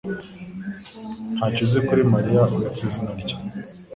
ntacyo azi kuri Mariya, uretse izina rye.